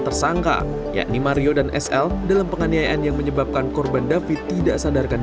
tersangka yakni mario dan sl dalam penganiayaan yang menyebabkan korban david tidak sadarkan